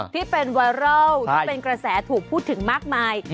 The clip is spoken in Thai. ที่เป็นไวรัลที่เป็นกระแสถูกพูดถึงมากมาย